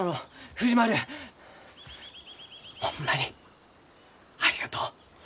藤丸ホンマにありがとう。